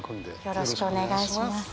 よろしくお願いします。